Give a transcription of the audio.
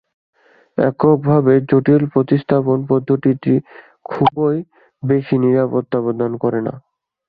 এককভাবে জটিল প্রতিস্থাপন পদ্ধতিটি খুব বেশি নিরাপত্তা প্রদান করে না।